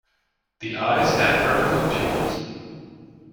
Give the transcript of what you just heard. The eyes have vertical pupils.